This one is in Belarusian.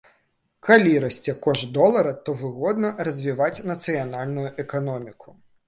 Калі расце кошт долара, то выгодна развіваць нацыянальную эканоміку.